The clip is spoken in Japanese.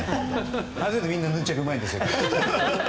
ある程度みんなヌンチャクうまいんですよ。